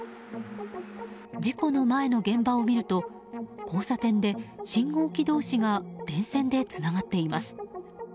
事故の前の現場を見ると交差点で、信号機同士が電線でつながっています。